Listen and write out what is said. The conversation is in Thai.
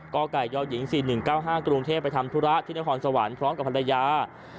กไก่ยหญิง๔๑๙๕กรุงเทพไปทำธุระที่นครสวรรค์พร้อมกับภรรยา